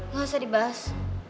gak usah dibahas